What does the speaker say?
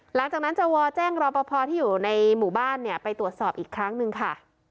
หลังจากนั้นจะวอแจ้งรอปภที่อยู่ในหมู่บ้านเนี่ยไปตรวจสอบอีกครั้งหนึ่งค่ะ